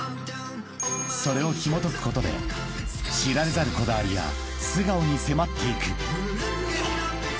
［それをひもとくことで知られざるこだわりや素顔に迫っていく］